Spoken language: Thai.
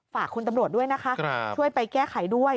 ฝากคุณตำรวจด้วยนะคะช่วยไปแก้ไขด้วย